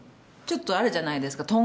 ちょっとあるじゃないですか。